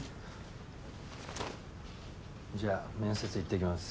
じゃあ面接行ってきます。